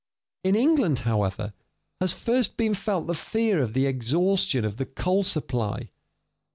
In England, however, has first been felt the fear of the exhaustion of the coal supply.